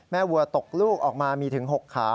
วัวตกลูกออกมามีถึง๖ขา